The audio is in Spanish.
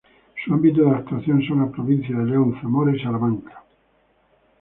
Su ámbito de actuación son las provincias de León, Zamora y Salamanca.